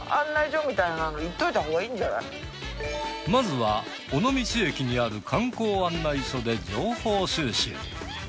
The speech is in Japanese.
まずは尾道駅にある観光案内所で情報収集。